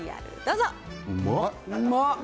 うまっ！